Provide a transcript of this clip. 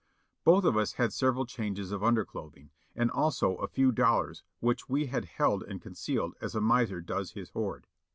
Both of us had several changes of underclothing, and also a few dollars which we had held and concealed as a miser does his hoard.